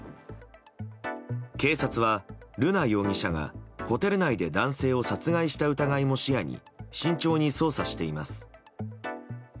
警察は瑠奈容疑者がホテル内で男性を殺害した疑いも視野に慎重に捜査しています。